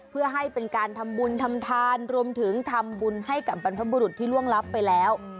เพื่อให้เป็นการทำบุญทำทานรวมถึงทำบุญให้กับบรรพบุรุษที่ล่วงลับไปแล้ว